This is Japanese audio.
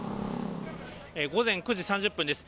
午前９時３０分です。